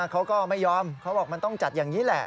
เขาก็ไม่ยอมเขาบอกมันต้องจัดอย่างนี้แหละ